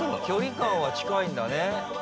距離感は近いんだね。